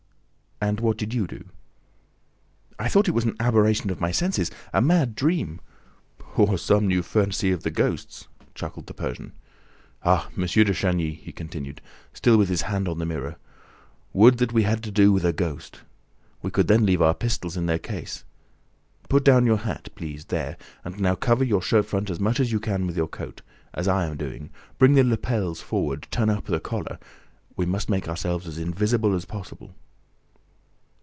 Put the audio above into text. "And what did you do?" "I thought it was an aberration of my senses, a mad dream. "Or some new fancy of the ghost's!" chuckled the Persian. "Ah, M. de Chagny," he continued, still with his hand on the mirror, "would that we had to do with a ghost! We could then leave our pistols in their case ... Put down your hat, please ... there ... and now cover your shirt front as much as you can with your coat ... as I am doing ... Bring the lapels forward ... turn up the collar ... We must make ourselves as invisible as possible."